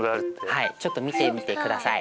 はいちょっと見てみてください。